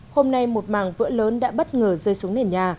hôm nay một màng vỡ lớn đã bất ngờ rơi xuống nền nhà